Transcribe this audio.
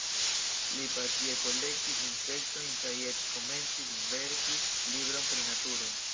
Li pasie kolektis insektojn kaj eĉ komencis verki libron pri naturo.